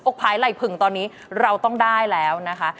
ภายไหล่ผึ่งตอนนี้เราต้องได้แล้วนะคะ